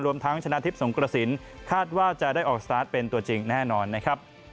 ทั้งชนะทิพย์สงกระสินคาดว่าจะได้ออกสตาร์ทเป็นตัวจริงแน่นอนนะครับ